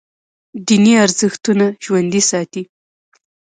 دیني ارزښتونه ژوندي ساتي.